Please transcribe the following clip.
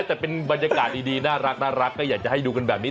แต่เป็นบรรยากาศดีน่ารักก็อยากจะให้ดูกันแบบนี้